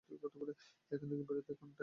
এখান থেকে বেরোতে এখন টাইম মেশিন দরকার।